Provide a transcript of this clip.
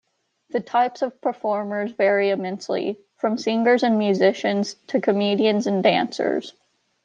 The types of performers vary immensely, from singers and musicians to comedians and dancers.